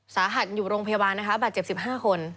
สาหัสอยู่โรงพยาบาลนะคะบาดเจ็บ๑๕คน